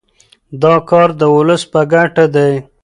دا کار د ولس په ګټه دی.